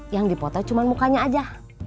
yang dipotong cuma mukanya aja